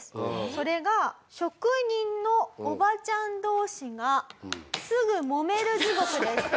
それが職人のおばちゃん同士がすぐもめる地獄です。